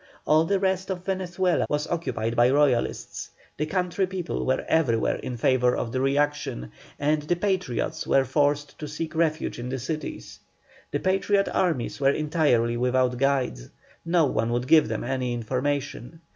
All the rest of Venezuela was occupied by Royalists; the country people were everywhere in favour of the reaction, and the Patriots were forced to seek refuge in the cities. The Patriot armies were entirely without guides, no one would give them any information.